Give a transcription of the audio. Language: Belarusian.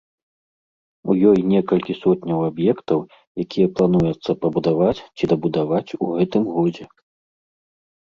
У ёй некалькі сотняў аб'ектаў, якія плануецца пабудаваць ці дабудаваць у гэтым годзе.